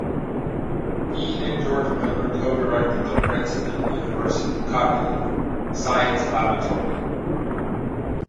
He and George Miller co-directed the Princeton University Cognitive Science Laboratory.